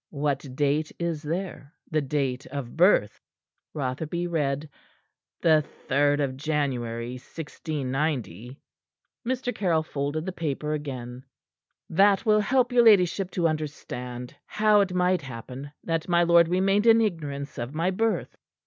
"What date is there the date of birth?" Rotherby read: "The third of January of 1690." Mr. Caryll folded the paper again. "That will help your ladyship to understand how it might happen that my lord remained in ignorance of my birth."